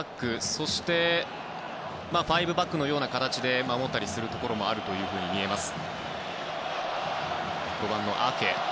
そして５バックのような形で守ったりするようなところもあるというふうにみえます。